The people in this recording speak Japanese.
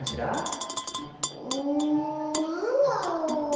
うんなんだろう。